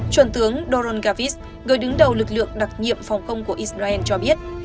chuẩn tướng doron gavis người đứng đầu lực lượng đặc nhiệm phòng không của israel cho biết